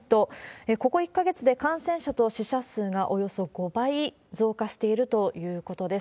ここ１か月で、感染者と死者数がおよそ５倍増加しているということです。